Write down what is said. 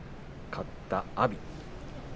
勝った阿炎。